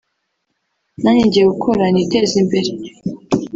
nanjye ngiye gukora niteze imbere